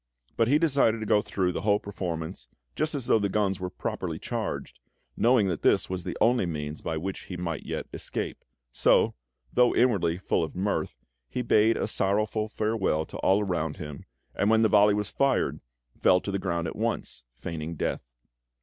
But he decided to go through the whole performance just as though the guns were properly charged, knowing that this was the only means by which he might yet escape; so, though inwardly full of mirth, he bade a sorrowful farewell to all around him, and when the volley was fired, fell to the ground at once, feigning death.